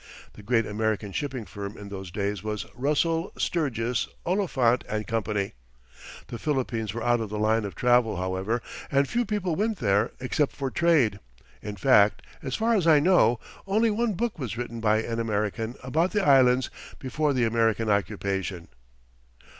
The great American shipping firm in those days was Russell, Sturgis, Oliphant and Company. The Philippines were out of the line of travel, however, and few people went there except for trade. In fact, as far as I know, only one book was written by an American about the islands before the American occupation.